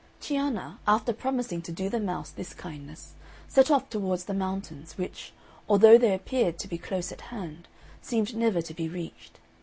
Cianna, after promising to do the mouse this kindness, set off towards the mountains, which, although they appeared to be close at hand, seemed never to be reached.